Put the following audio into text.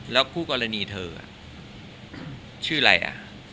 แล้วคู่กรณีเธอชื่ออะไรอ่ะ